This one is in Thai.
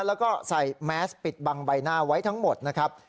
แล้วก็ใส่แมสปิดบังใบหน้าไว้ทั้งหมดนะครับ